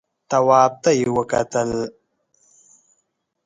تواب ته يې وکتل.